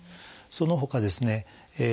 そのほかですね